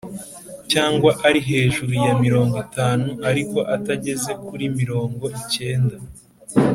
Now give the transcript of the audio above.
Cyangwa ari hejuru ya mirongo itanu ariko atageze kuri mirongo icyenda